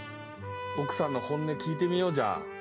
奥さんの本音聞いてみよう。